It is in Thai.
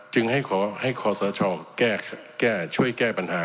จึงให้ขอให้คอสชช่วยแก้ปัญหา